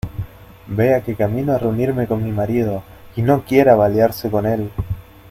vea que camino a reunirme con mi marido y no quiera balearse con él.